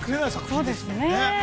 ◆そうですねー。